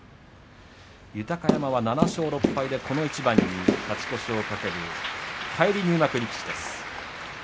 豊山は７勝６敗でこの一番に勝ち越しを懸ける返り入幕力士です。